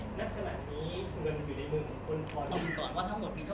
ถ้ำ้วมก่อนว่าทะหมดมีเท่า